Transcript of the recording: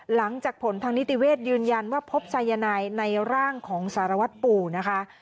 หลังจากผลทางนิติเวศยืนยันว่าพบสายนายในร่างของสารวัตรปู่นะคะ